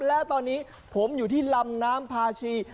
และตอนนี้ผมอยู่ที่ลำน้ำพาชี